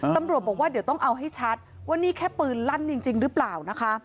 ตำรวจบอกว่าเดี๋ยวต้องเอาให้ชัดว่านี่แค่ปืนลั่นจริงหรือเปล่านะคะ